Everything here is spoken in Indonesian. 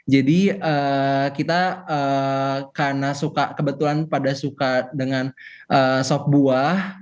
kita karena suka kebetulan pada suka dengan sop buah